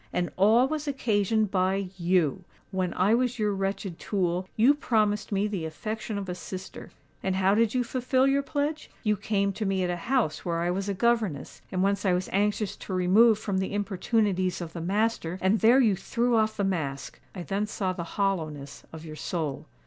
And all was occasioned by you! When I was your wretched tool, you promised me the affection of a sister; and how did you fulfil your pledge? You came to me at a house where I was a governess, and whence I was anxious to remove from the importunities of the master; and there you threw off the mask. I then saw the hollowness of your soul.